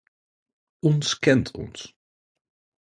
Ons kent ons.